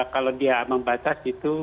kalau dia ambang batas itu